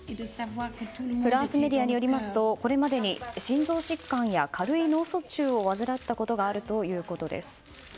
フランスメディアによりますとこれまでに心臓疾患や軽い脳卒中を患ったことがあるということです。